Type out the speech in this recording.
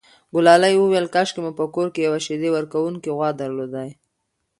ګلالۍ وویل کاشکې مو په کور کې یوه شیدې ورکوونکې غوا درلودای.